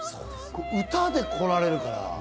歌でこられるから。